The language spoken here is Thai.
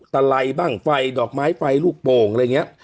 อะไรบ้างไฟดอกไม้ไฟลูกโป่งอะไรอย่างนี้